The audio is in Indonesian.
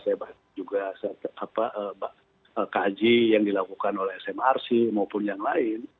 saya juga kaji yang dilakukan oleh smrc maupun yang lain